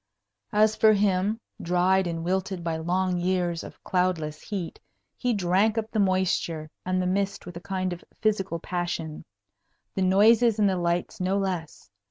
As for him, dried and wilted by long years of cloudless heat, he drank up the moisture and the mist with a kind of physical passion the noises and the lights no less.